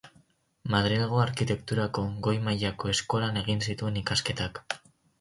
Madrilgo Arkitekturako Goi Mailako Eskolan egin zituen ikasketak.